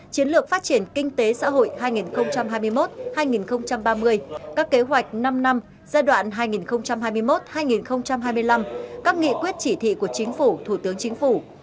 chiến lược phát triển kinh tế xã hội hai nghìn hai mươi một hai nghìn ba mươi các kế hoạch năm năm giai đoạn hai nghìn hai mươi một hai nghìn hai mươi năm các nghị quyết chỉ thị của chính phủ thủ tướng chính phủ